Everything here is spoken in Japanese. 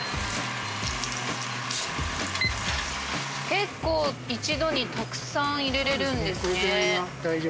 結構一度にたくさん入れられるんですね。